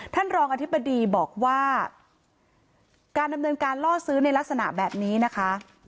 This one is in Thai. ท่านรองอธิบดีบอกว่าการดำเนินการล่อซื้อในลักษณะแบบนี้นะคะ